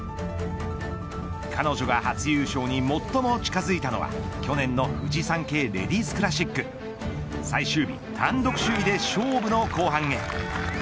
彼女が初優勝に最も近づいたのは去年のフジサンケイレディスクラシック最終日単独首位で勝負の後半へ。